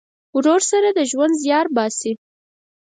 ورور سره د ژوند زیار باسې.